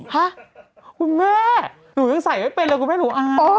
ห้ะคุณแม่หนูยังใส่ไม่เป็นเลยหนูไม่รู้อ้าว